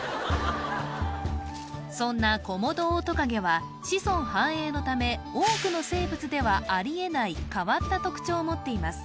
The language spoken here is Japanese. そんなコモドオオトカゲは子孫繁栄のため多くの生物ではありえない変わった特徴を持っています